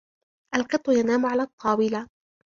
القط ينام على الطاولة.